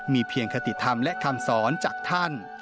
มีเพียงคติธรรมและคำสอนจากท่าน